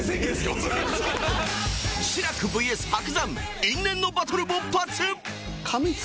志らく ＶＳ 伯山因縁のバトル勃発！